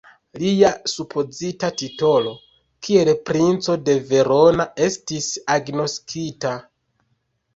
Lia supozita titolo kiel princo de Verona estis agnoskita.